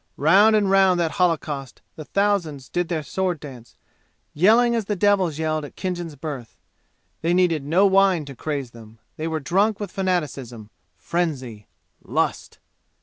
Round and round that holocaust the thousands did their sword dance, yelling as the devils yelled at Khinjan's birth. They needed no wine to craze them. They were drunk with fanaticism, frenzy, lust!